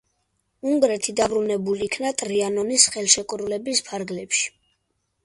უნგრეთი დაბრუნებულ იქნა ტრიანონის ხელშეკრულების ფარგლებში.